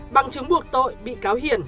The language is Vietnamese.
bằng chứng buộc tội bị cáo hiền